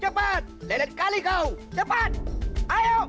cepat lelet kali kau cepat ayo